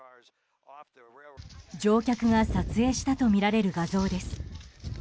乗客が撮影したとみられる画像です。